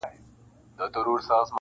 چي شریک یې په قدرت سي په ښکارونو-